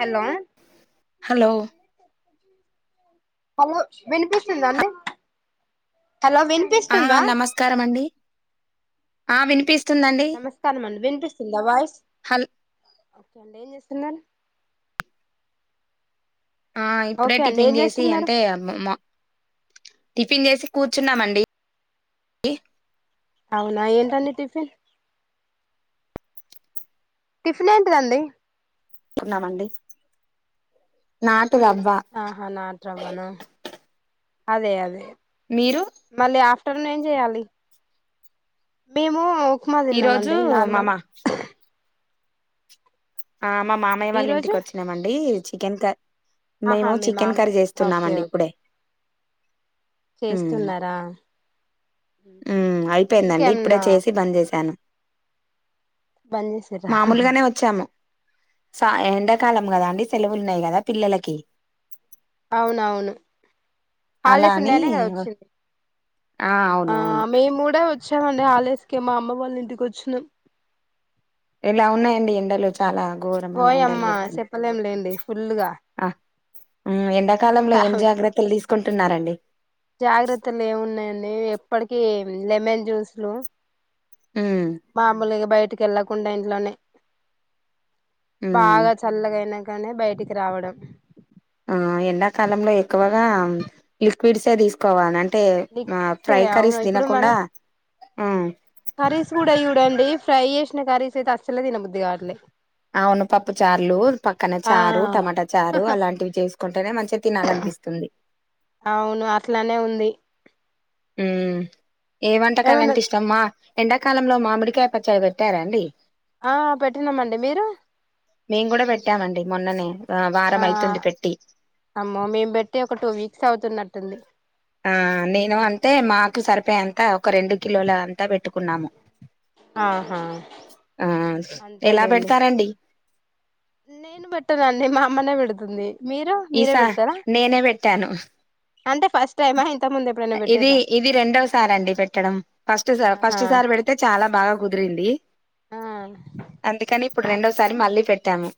Hello hello hello వినిపిస్తుందా అండి hello విని ఆ నమస్కారం అండి ఆ వినిపిస్త నమస్కారం అండి వినిపిస్తుందా వాయిస్ హల్ ఒకే అండి ఏం చేస్తున్నారు ఆ ఇప్పుడే ఓకే అండి టిఫిన్ ఏం చేసి చేస్తున్నారు అంటే మ టిఫిన్ చేసి కూర్చున్నామండి అవునా ఏంటండీ టిఫిన్ టిఫిన్ ఏంటిదండి ఉన్నానండి నాటు రవ్వ ఆహా నాటు రవ్వనా అదే అదే మీరు మళ్ళీ ఆఫ్టర్నూన్ ఏం చేయాలి మేము ఉప్మా తిన్నం ఈరోజు అండి నార్మల్ మామ ఆ మా మామయ్య ఈ వాళ్ళ రోజు ఇంటికి వచ్చినామండి చికెన్ క ఆహా మేము మీ చికెన్ మామయ్య కర్రీ ఓకే చేస్తున్నామండి ఓకే ఇప్పుడే చేస్తున్నారా ఉమ్మ్ ఎందుకు అయిపోయిందండి ఇప్పుడే ఏమన్నా చేసి బంద్ చేసాను బంద్ చేసిర్రా మామూలుగానే వచ్చాము సా ఎండాకాలం కదా అండి సెలవులున్నాయి కదా పిల్లలకి అవునవును అలా హాలిడేస్ అని ఉన్నాయనే కదా వచ్చింది ఆ అవునవును వచ్చమండి హాలిడేస్కి మా అమ్మ వాళ్ళ ఇంటికి వచ్చినం ఎలా ఉన్నాయండి ఎండలు చాలా ఘోరమైన ఓయమ్మ ఎండలు కొడుతున్నాయి చెప్పలేం లేండి ఫుల్గా అ ఉమ్మ్ ఎండాకాలంలో ఏం జాగ్రత్తలు తీసుకుంటున్నారండి జాగ్రత్తలు ఏమున్నాయండి ఎప్పటికీ లెమన్ జ్యూస్లు ఉమ్మ్ మామూలుగా బయటకి వెళ్ళకుండా ఇంట్లోనే ఉమ్ బాగా చల్లగాయినాక నే బయటికి రావడం ఆ ఎండాకాలంలో ఎక్కువగా లిక్విడ్స్ ఏ తీసు కోవాలి అంటే ఆ లిక్విడ్సే ఫ్రై అవును కర్రీస్ ఇప్పుడు మన తినకుండా కర్రీస్ కూడా చూడండి ఫ్రై చేసిన కర్రీస్ అయితే అసలే తినబుద్ది కావట్లే అవును పప్పు చార్లు పక్కన ఆ చారు టమాటా చారు అలాంటివి చేసుకుంటేనే మంచిగా తినాలనిపిస్తుంది అవును అట్లానే ఉంది ఉమ్మ్ ఏ ఏమన్నా వంటకాలంటే ఇష్టం మా ఎండాకాలంలో మామిడికాయ పచ్చడ్లు పెట్టారాండి ఆ పెట్టినామండి మీరు మేము కూడా పెట్టామండి మొన్ననే ఆహ్, ఆ వారం అయితుంది పెట్టి అమ్మో మేము పెట్టి ఒక టూ వీక్స్ అవుతున్నట్టుంది ఆ నేను అంటే మాకు సరిపోయేంత ఒక రెండు కిలోలు అంతా పెట్టుకున్నాము ఆహా ఆ ఎలా అంతేలేండి పెడతారండి నేను పెట్టనండి మా అమ్మనే పెడుతుంది మీరు మీరే ఈసారి పెడతారా నేనే పెట్టాను అంటే ఫస్ట్ టైమా ఇంత ముందు ఎప్పుడైనా ఇది పెట్టిర్రా ఇది రెండోవ సారి అండి పెట్టడం ఫస్ట్ సార్ ఆహా ఫస్ట్ సారి పెడితే చాలా బాగా కుదిరింది ఆ అందుకని ఇప్పుడు రెండోసారి మళ్ళీ పెట్టాము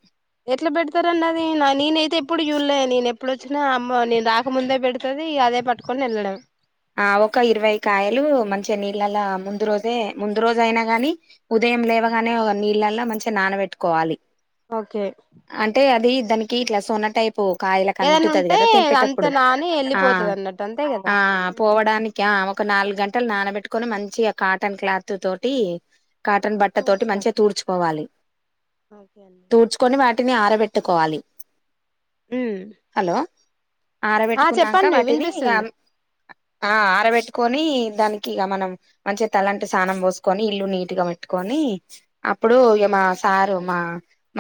ఎట్లా పెడతారాండి అది నా నేనైతే ఎప్పుడు చూలే నేను ఇప్పుడు వచ్చినా అమ్మ నేను రాకముందే పెడుతది అదే పట్టుకొని వెళ్ళడం ఆ ఒక ఇరవై కాయలు మంచిగా నీళ్ళలా ముందు రోజే ముందు రోజ అయినా గాని ఉదయం లేవగానే నీళ్ళల్లా మంచిగా నానబెట్టుకోవాలి ఓకే అంటే అది దానికి ఇట్లా సోన టైప్ ప్పు కాయల క ఏదైనా అంటతుంది ఉంటే కదా అంత తెంపేటప్పుడు నాని ఆ వెళ్ళిపోతది అన్నట్టు అంతే కదా ఆ దానికి ఆ ఒక నాలుగు గంటలు నానబెట్టుకొని మంచిగా కాటన్ క్లాత్ తోటి కాటన్ బట్ట తోటి మంచిగా తూడ్చుకోవాలి ఒకే చూకొని వాటిని ఆర బెట్టుకోవాలి ఉమ్ హలో ఆ ఆరబెట్టుకున్నాక చెప్పండి వాటిని ఇగ వినిపిస్తుంది ఆ ఆరబెట్టుకొని దానికి ఇగ మనం మంచిగా తలంటు స్నానం పోసుకొని ఇల్లు నీట్ గా పెట్టుకని అప్పుడు ఓకే ఇగ మా ఓకే సారు మా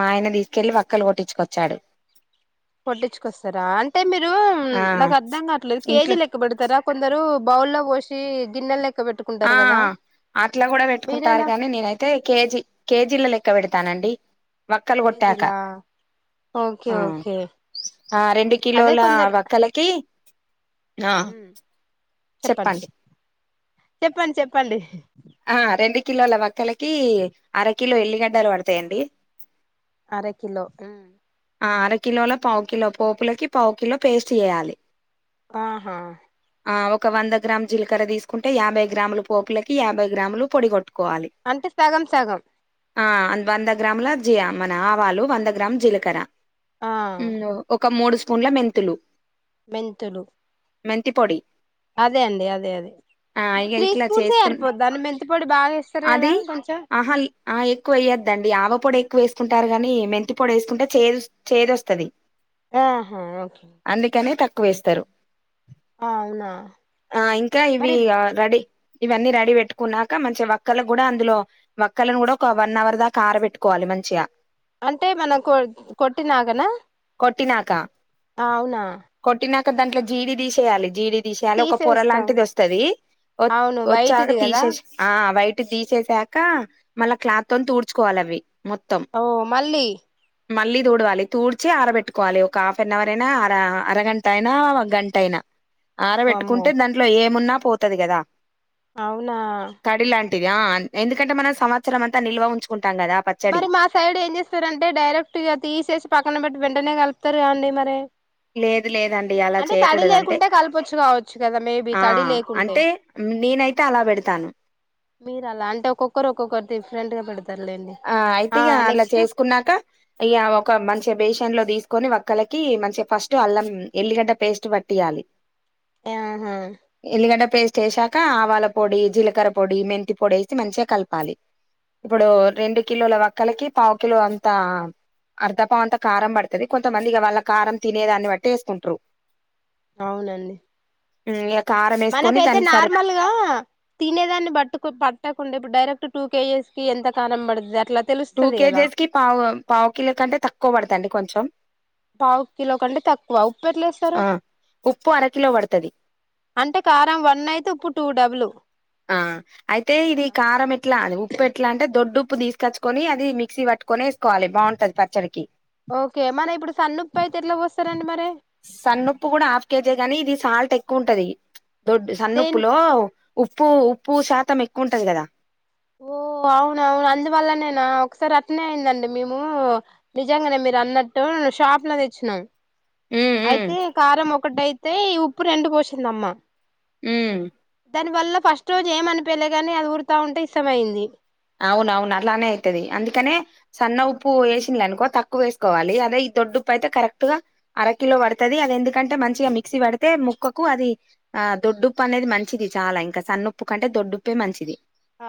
మా ఆయన తీసుకెల్లి వక్కలు కొట్టిచుకొచ్చాడు కోట్టిచుకొస్తారా అంటే మీరు ఆ నాకు అర్ధం కావట్లేదు కేజీ ఇంట్లో లెక్క బేడతార కొందరు బౌల్ల్లో పోసి గిన్నెల్ లేక్కబట్టు ఆ అట్లా కూడా పెట్టుకుంటారు మీరెలా గానీ నేనైతే తే కేజీ కేజీల లెక్క పెడతానండి వక్కలు కొట్టాక కేజీలా ఓకే ఆ ఓకే ఆ రెండు అదే కిలోలా కొందరు వక్కల కి ఆ ఉమ్, చెప్పండి చెప్పండి చెప్పండి ఆ రెండు కిలోల వక్కలకి అర కిలో ఎల్లిగడ్డలు పడతాయండి అర కిలో ఉం ఆ అరకిిలోల పావు కిలో పోపులకి పావు కిలో పేస్ట్ చేయాలి ఆహా ఆ ఒక వంద గ్రామ్ జీలకర్ర తీసుకుంటే యాభై గ్రాములు పోపులకి యాభై గ్రాములు పొడి కొట్టుకోవాలి అంటే సగం సగం ఆ వంద గ్రాముల జీయా మన ఆవాలు వంద గ్రాము జీలకర్ర ఆ ఇంగో ఒక మూడు స్పూన్ల మెంతులు మెంతులు మెంతి పొడి అదే అండి అదే అదే ఆ ఇక త్రీ ఇట్లా స్పూన్స్ ఎ చేసుకు సరిపోద్దా అండి మెంతి పొడి బాగా ఏ అది అహల్ ఆ ఎక్కువ వేయ్యద్దండి ఆవ పొడి ఎక్కువ వేసుకుంటారు గానీ మెంతి పోడి వేసుకుంటే చేదు చేదొస్తది ఆహా ఓకే అందుకనే తక్కువ వేస్తారు ఆ, అవునా ఆ ఇంకా ఇవి మరి రెడీ ఇవన్నీ రెడీ పెట్టుకు కున్నాక మంచిగా వక్కలకు కూడా అందులో వక్కలను కూడా ఒక వన్ అవర్ దాకా ఆర పెట్టుకోవాలి మంచిగా అంటే మనం కొ కొట్టినాగనా కొట్టి నాక అవునా కొట్టినాక దాంట్లో జీడి తీసేయాలి జీడి దిశీయాల ఒక పొర తీసేస్తాం లాంటిది వస్తది వ అవును వచ్చాక వైట్ది కదా తీసేసి ఆ వైట్ తీసేసాక మళ్ళా క్లాత్తోని తుడ్చుకోవాలి అవి మొత్తం ఓ మల్లి మళ్ళీ తుడవాలి తూడ్చి ఆరబెట్టుకోవాలి ఒక హాఫ్ ఎన్ అవర్ అయినా అర అరగంట అయినా ఒక గంట అయినా వామ్మో ఆరబెట్టుకుంటే దాంట్లో ఏమున్నా పోతది కదా అవునా తడి లాంటిది ఎందుకంటే మనం సంవత్సరం అంతా నిల్వ ఉంచుకుంటాం కదా పచ్చడి మరి మా సైడ్ ఏం చేస్తారంటే డైరెక్ట్ ఇగ తీసేసి పక్కన పెట్టి వెంటనే కలుపుతారు గా అండి మరి లేదు లేదండి అలా అంటే తడి చేయకూడదు అంటే లేకుంటే కలపొచ్చు కావచ్చు కదా మేబీ ఆ తడి లేకుంటే అంటే నేనైతే అలా పెడతాను మీరు అలా అంటే ఒక్కొక్కరు ఒక్కొక్క డిఫరెంట్ గా పెడుతురు ఆ అయితే ఇగ అలా చేసుకున్నాక ఇగ ఒక మంచిగా బేషన్ లో తీసుకొని ఒక్కలకి మంచిగా ఫస్ట్ అల్లం ఎల్లిగడ్డ పేస్ట్ పట్టియాలి ఆహా ఎల్లిగడ్డ పేస్ట్ వేసాక ఆవాల పొడి జీలకర్ర పొడి మెంతి పొడి వేసి మంచిగా కలపాలి ఇప్పుడు రెండు కిలోల వక్కలకి పావు కిలో అంతా అర్ధ ప అంత కారం పడుతుంది కొంతమంది ఇక వాళ్ళ కారం తినేదాన్ని బట్టి వేసుకుంట్రు అవునండి హ్మ్ ఏం కారం వేసుకొని మనకైతే దానికి సరి నార్మల్గా తినేదాన్ని బట్టు పట్టకుండా ఇప్పుడు డైరెక్ట్ టూ కేజెస్ కి ఎంత కారం పడుతది అట్లా టూ తెలుస్తది కదా కేజీస్ కి పావు పావు కిలో కంటే తక్కువ పడుతుండి కొంచెం పావు కిలో కంటే తక్కువ ఉప్పు ఎట్లేస్తారు ఆ ఉప్పు అరకిలో పడుతది అంటే కారం వన్ అయితే ఇప్పుడు టూ డబులు హ్మ్ అయితే ఇది కారం ఎట్లా అని ఉప్పు ఎట్లా అంటే దొడ్డు ఉప్పు తీసుకచ్చుకొని అది మిక్సీ పట్టుకొనిఏసుకోవాలి బాగుంటుది పచ్చడికి ఓకే మన ఇప్పుడు సన్న ఉప్పు అయితే ఎట్లా పోస్తారండి మరి సన్నుప్పు కూడా హాఫ్ కేజీ గాని ఇది సాల్ట్ ఎక్కువ ఉంటది దొడ్డు దేన్ సన్నుప్పులో ఉప్పు ఉప్పు శాతం ఎక్కువ ఉంటది కదా ఓ అవున అవును అందువల్లనేనా ఒకసారి అట్టనే అయిందండి మేము నిజంగానే మీరు అన్నట్టు షాప్ లో తెచ్చినం ఉమ్ ఉమ్ అయితే కారం ఒకటియితే ఈ ఉప్పు రెండు పోసిందమ్మా హ్మ్ దాని వల్ల ఫస్ట్ రోజు ఏమి అనిపియలే గాని అది ఊరుతా ఉంటే ఇష్టమైంది అవునవును అట్లానే అవుతది అందుకనే సన్న ఉప్పు వేసిన అనుకో తక్కువ వేసుకోవాలి అదే ఈ దొడ్డు ఉప్పు అయితే కరెక్ట్ గా అరకిలో పడుతుది అది ఎందుకంటే మంచిగా మిక్సీ పడితే ముక్కకు అది ఆ దొడ్డుప్పు అనేది మంచిది చాలా ఇంకా సన్నుప్పు కంటే దొడ్డుప్పే మంచిది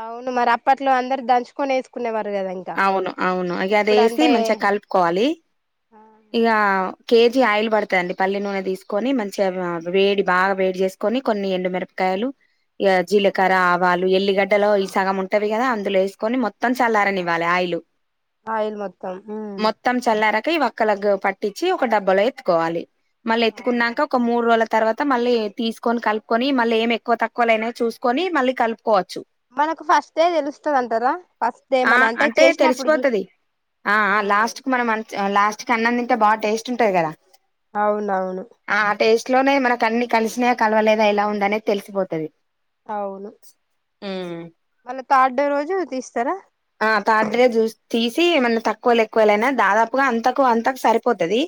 అవును మరి అప్పట్లో అందరు దంచుకొని వేసుకునేవారు కదాండి అవును అవును అగే అది వేసి మంచిగా కలుపుకోవాలి ఇక కేజీ ఆయిల్ పడుతదండి పల్లె నూనె తీసుకొని మంచిగా వేడి బాగా వేడి చేసి కొని కొన్ని ఎండు మిరపకాయలు ఇగ జీలకర్ర ఆవాలు ఎల్లిగడ్డలో ఈ సగం ఉంటావి కదా అందులో వేసుకొని మొత్తం చల్లారనివ్ ఇవ్వాలి ఆయిలు ఆయిల్ మొత్తం త్తం చల్లారక ఈ వక్కలగు పట్టిచ్చి ఒక డబ్బలో ఎత్తుకోవాలి మళ్ళ అవునా ఎత్తుకున్నాంక ఒక మూడు రోల తర్వాత మళ్ళీ తీస్కొని కల్పుకొని మళ్ళ ఏం ఎక్వ తక్వలైనా చూస్కొని మళ్ళీ కల్ప్కోవచ్చు మనకు ఫస్ట్టే తెలుస్తది అంటరా ఫస్ట్ డే ఆ మన అంటే చేసినప్పుడు చూస్ తెల్సిపోతది ఆ ఆ లాస్ట్కు మనం అన్ ఆ లాస్ట్ క అన్నం దింటే బా టేస్ట్ ఉంటది గదా అవునవును ఆ ఆ టేస్ట్ లోనే మనకు అన్ని కల్షినయ కల్వలేదా ఇలా ఉందనేది తెల్సిపోతది అవును ఆ మళ్ళా తాడే రోజు తీస్తారా ఆ తడే జూస్ తీసి ఏమన్న తక్కోలు ఎక్కోలేనా దాదాపుగా అంతకు అంతకు సరిపోతది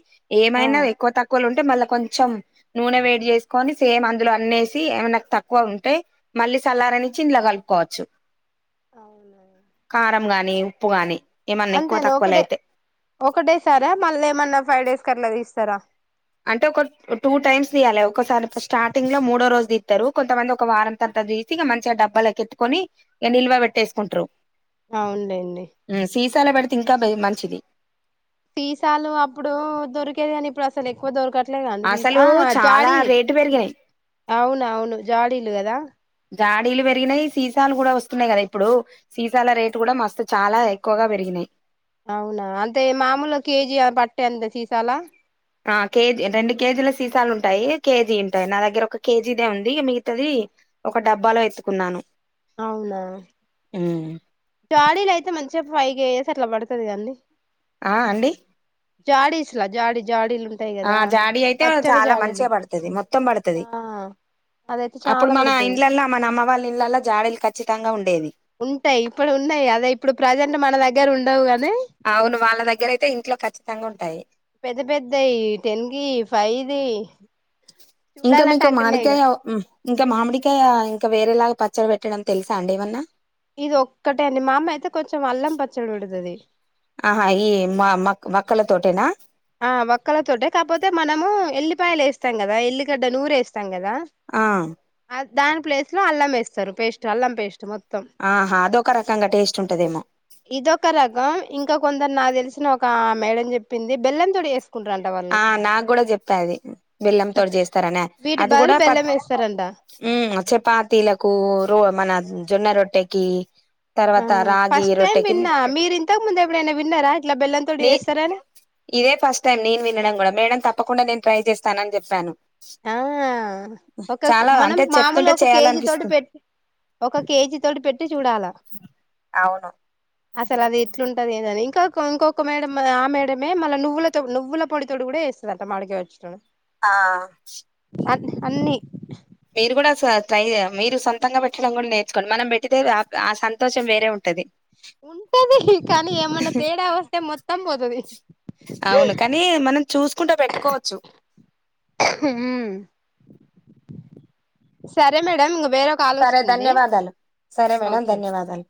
ఆ ఏమైనా ఎక్వ తక్వలు ఉంటే మళ్ళ కొంచం నూనె వేడ్ జేస్కొని సేమ్ అందులో అన్నేసి ఏమైనా తక్వ ఉంటే మళ్ళీ సల్లారనిచ్చి ఇన్లా కలుపుకోవచ్చు అవునా కారం గాని ఉప్పు గాని ఏమన్నా ఎక్కువ అంతేనా తక్కువలు ఒకటే అయితే ఒకటే సారా మళ్ళ ఏమన్నా ఫైవ్ డేస్ కట్లా తీస్తారా అంటే ఒక టూ టైమ్స్ తీయాలే ఒకసారి స్టార్టింగ్ ల మూడో రోజు దిత్తరు కొంతమంది ఒక వారం తది తీసి ఇగ మంచిగా డబ్బాలకెట్టుకొని ఇయ నిల్వ వెట్టేస్కుట్రు ఔన్లేండి. ఉ సీసాల వేడ్తే ఇంకా బే మంచిది సీసాలు అప్పుడూ దొరికేది గని ఇప్పుడు అసలేక్వ దోరకట్టలే గా అండి అసలు ఆ చాలా జాడి రేటు పెరిగినాయి అవున అవును జడీలుగదా జాడీలు వెర్గినే సీసాలు గుడా ఒస్తునే గద ఇప్పుడు సీసాల రేటుగూడ మస్తు చాలా ఎక్కువగా పెరిగినే అవునా అంటే మామూల్గ కేజీ ఆ బట్టే అంత సీసాలా ఆ కేజీ రెండు కేజీల సీసాలు ఉంటాయి కేజీ ఇంటాయి నా దగ్గర ఒక కేజీదే ఉంది ఇగ మిగతాది ఒక డబ్బాలో ఎత్తుకున్నాను అవునా ఉ జాడిలు అయితే మంచిగా పైగేసి అట్లా వాడ్తది గన్ని ఆ అండి జాడిస్లా జాడి జాడి లు ఆ జాడీ అయితే చాలా మంచిగా బడ్తది మొత్తం బడ్తది ఆ అదైతే చాలా అప్పుడు మన పడుతది ఇండ్లల్ల మన అమ్మ వాళ్ళ ఇండ్లల్ల జాడీలు ఖచ్చితంగా ఉండేది. ఉంటే ఇప్పుడు ఉన్నాయి అదే ఇప్పుడు ప్రజెంట్ మన దగ్గర ఉండవు గాని అవును వాళ్ళ దగ్గర అయితే ఇంట్లో ఖచ్చితంగా ఉంటాయి పెద్దపెద్దయ్ టెన్ కి ఫై దీ ఇంకా మీకు మాడికాయ ఉ ఇంకా మామిడికాయా ఇంకా వేరేలాగా పచ్చడి వేట్టడం తెల్సా అండి ఏమన్నా ఇది ఒక్కటే అండి ఆహా ఈ మ మ మక్క మాక్కల తోటేనా ఆ వక్కలతోటే కాపోతే మనమూ ఎల్లిపాయలు ఎస్తాం గదా ఎల్లిగడ్డ నూరేస్తంగదా ఆ ఆ దాని ప్లేస్ లో అల్లం ఎస్తారు పేస్టు అల్లం పేస్టు మొత్తం ఆహా అదొక రకంగా టేస్ట్ ఉంటదేమో ఇదొక రకం ఇంకా కొందరు నాకు తెలిసిన ఒక మేడం చెప్పింది బెల్లం తోడి చేస్త ఆ నాకు కూడా చెప్పాది బెల్లం తోటి చేస్తారనే వీటి అది బదులు కూడా ప బెల్లం వేస్తారంట ఉమ్ చపాతీలకు రో మన జొన్న రొట్టెకి ఆ తర్వాత రాగి ఫస్ట్ టైమ్ రొట్టెకి విన్నా మీరు ఇంతకు ముందు ఎప్పుడైనా విన్నారా ఇట్లా బెల్లం తోటి నే చేస్తారాని ఇదే ఫస్ట్ టైం నేను వినడం కూడా మేడం తప్పకుండా నేను ట్రై చేస్తాను అని చెప్పాను ఆ ఒక చాలా మనం అంటే మామూలు చెప్తుంటే ఒక కేజీ తోటి చేయాలనిపిస్తుంది పెట్టి ఒక కేజీ తోటి పెట్టి చూడాలా అవును అసలు అది ఎట్లుంటది ఏందని ఇంకొ ఇంకొక మేడం ఆ మేడమే మళ్ళ నువ్వులతో నువ్వుల పొడితో కూడా చెసింది ఇదంటా మాడిక వచ్చిన ము ఆ అ అన్ని మీరు కూడా ట్రై మీరు సొంతంగా పెట్టడం కూడా నేర్చుకోండి మనం పెట్టితే ఆ సంతోషం వేరే ఉంటది ఉంటది కానీ ఏమన్నా తేడా వస్తే మొత్తం పోతది అవును కానీ మనం చూసుకుంటా పెట్టుకోవచ్చు హమ్ సరే మేడమ్ వేరో సరే ధన్యవాదాలు సరే మేడం ఓకే ధన్యవాదాలు